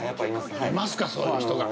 いますか、そういう人が。